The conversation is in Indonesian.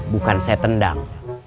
bukan saya tendang